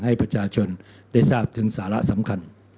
ให้ประชาชนได้ทราบถึงสาระสำคัญ